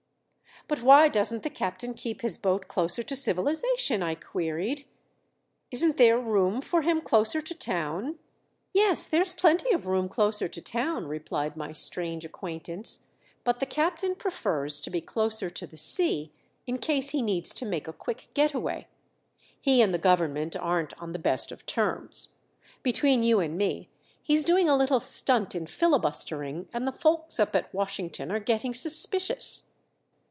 "But why doesn't the captain keep his boat closer to civilization?" I queried. "Isn't there room for him closer to town?" "Yes, there's plenty of room closer to town," replied my strange acquaintance, "but the captain prefers to be closer to the sea in case he needs to make a quick get away. He and the government aren't on the best of terms. Between you and me, he's doing a little stunt in filibustering, and the folks up at Washington are getting suspicious."